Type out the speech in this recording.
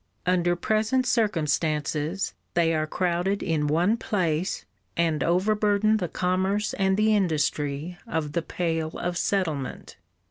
Under present circumstances they are crowded in one place and overburden the commerce and the industry of the Pale of Settlement.